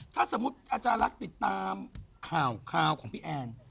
ถ้าสมมุติอาจารย์ลักษณ์ติดตามข่าวของพี่แอน